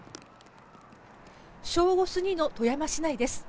正午過ぎの富山市内です。